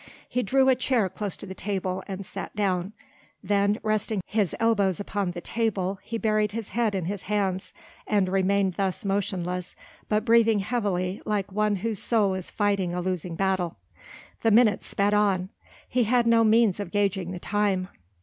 He drew a chair close to the table, and sat down; then resting his elbows upon the table, he buried his head in his hands, and remained thus motionless but breathing heavily like one whose soul is fighting a losing battle. The minutes sped on. He had no means of gauging the time.